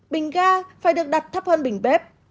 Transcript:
bình ga phải được đặt thấp hơn bình bếp